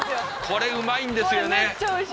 これうまいんですよね。